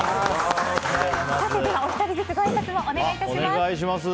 では、お一人ずつごあいさつをお願いします。